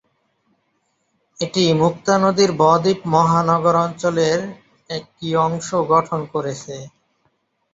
এটি মুক্তা নদীর ব-দ্বীপ মহানগর অঞ্চলের একটি অংশ গঠন করেছে।